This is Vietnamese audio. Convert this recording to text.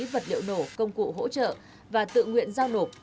vật liệu nổ công cụ hỗ trợ và tự nguyện giao nộp